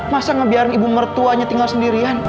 masa ngebiarin ibu mertuanya tinggal sendirian